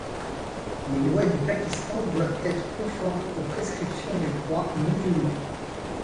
Les lois du Pakistan doivent être conformes aux prescriptions du droit musulman.